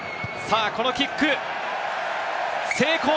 このキック、成功！